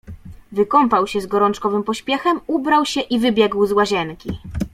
Wykąpał się z gorączkowym pośpiechem, ubrał się i wybiegł z łazienki.